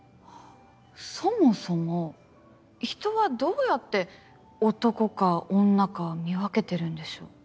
そもそも人はどうやって男か女か見分けてるんでしょう？